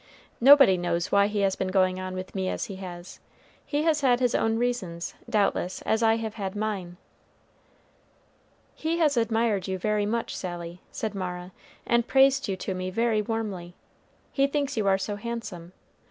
Nobody knows why he has been going on with me as he has. He has had his own reasons, doubtless, as I have had mine." "He has admired you very much, Sally," said Mara, "and praised you to me very warmly. He thinks you are so handsome.